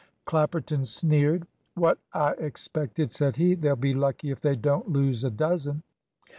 Clapperton sneered. "What I expected," said he. "They'll be lucky if they don't lose a dozen."